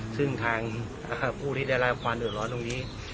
ซึ่งทางผู้วิทยาลายุควานเถอะร้อนตรงนี้